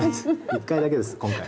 一回だけです今回。